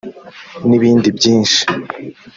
N’ibindi byinshi